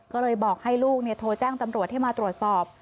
ก็เลยบอกให้ลูกโทรแจ้งตำรวจให้มาตรวจสอบ